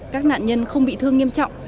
các nạn nhân không bị thương nghiêm trọng